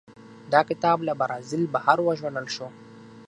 دا کتاب له برازیل بهر وژباړل شو.